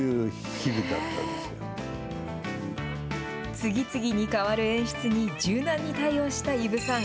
次々に変わる演出に、柔軟に対応した伊武さん。